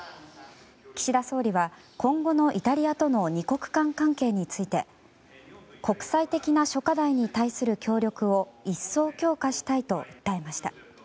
岸田総理は、今後のイタリアとの２国間関係について国際的な諸課題に対する協力を一層強化したいと訴えました。